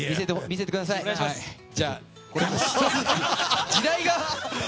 見せてください。時代が。